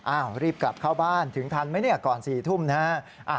อ้าวรีบกลับเข้าบ้านถึงทันไหมก่อน๔ทุ่มนะ